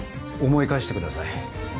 思い返してください。